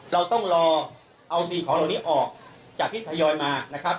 เราต้องรอเอาสิ่งของเหล่านี้ออกจากที่ทยอยมานะครับ